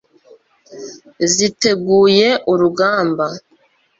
ziteguye urugamba